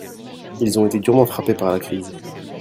Ils ont été durement frappé par la crise.